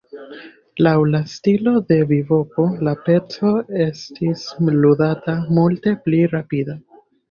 Laŭ la stilo de bibopo la peco estis ludata multe pli rapida.